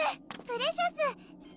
プレシャス！